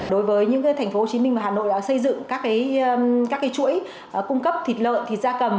đối với những cái thành phố hồ chí minh và hà nội đã xây dựng các cái chuỗi cung cấp thịt lợn thịt da cầm